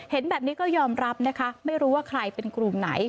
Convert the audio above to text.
เห็นแบบนี้ก็ยอมรับนะคะไม่รู้ว่าใครเป็นกลุ่มไหน